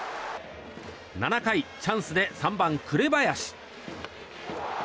７回、チャンスで３番、紅林。